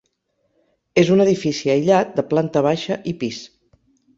És un edifici aïllat de planta baixa i pis.